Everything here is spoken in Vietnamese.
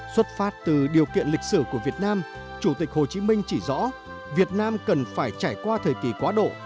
xuất phát từ điều kiện lịch sử của việt nam chủ tịch hồ chí minh chỉ rõ việt nam cần phải trải qua thời kỳ quá độ